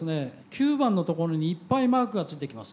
９番のところにいっぱいマークがついてきます。